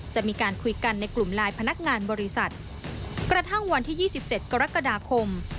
จะมีการคุยกันในกลุ่มไลน์พนักงานบริษัทกระทั่งวันที่๒๗กรกฎาคม